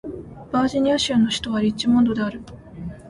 バージニア州の州都はリッチモンドである